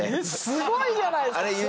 すごいじゃないですか！